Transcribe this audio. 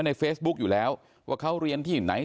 ในเฟซบุ๊คอยู่แล้วว่าเขาเรียนที่ไหน